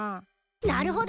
なるほど。